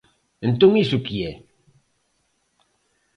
¿Entón iso que é?